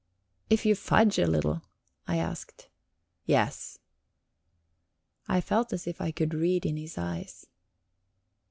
"If you fudge a little?" I asked. "Yes." I felt as if I could read in his eyes...